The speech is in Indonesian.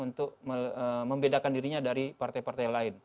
untuk membedakan dirinya dari partai partai lain